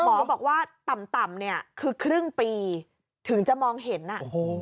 หมอบอกว่าต่ำคือครึ่งปีถึงจะมองเห็นน่ะ